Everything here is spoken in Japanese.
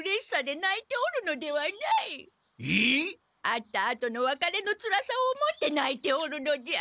会ったあとのわかれのつらさを思ってないておるのじゃ。